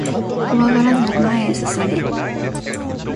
怖がらずに前へ進め